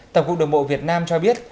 tổng cục đồng bộ việt nam cho biết